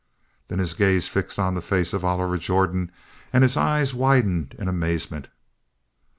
Then his gaze fixed on the face of Oliver Jordan and his eyes widened in amazement.